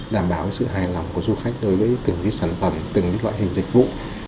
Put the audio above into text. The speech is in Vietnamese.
đảm bảo sự hài lòng của du khách đối với từng sản phẩm từng loại hình dịch vụ